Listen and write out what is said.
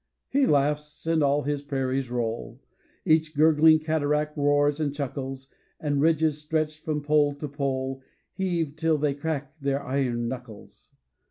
He laughs, and all his prairies roll, Each gurgling cataract roars and chuckles, And ridges stretched from pole to pole Heave till they crack their iron knuckles!